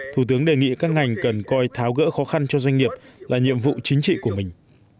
thủ tướng đề nghị các ngành cần coi tháo gỡ khó khăn cho doanh nghiệp là nhiệm vụ chính trị của mình